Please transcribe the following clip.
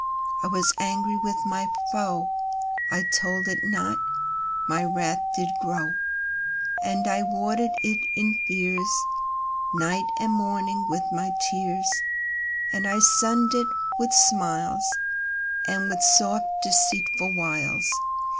I was angry with my foe: I told it not, my wrath did grow. And I watered it in fears Night and morning with my tears, And I sunned it with smiles And with soft deceitful wiles.